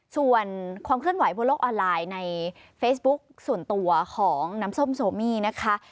ส่วนความเคลื่อนไหวบนโลกออนไลน์ในเฟซบุ๊คส่วนตัวของน้ำส้มโซมี่นะคะ